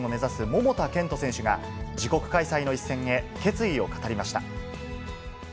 桃田賢斗選手が、自国開催の一戦へ、決意を語りました。